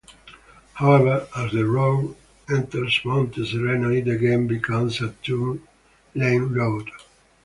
However, as the road enters Monte Sereno, it again becomes a two-lane road.